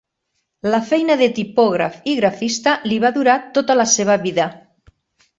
La feina de tipògraf i grafista li va durar tota la seva vida.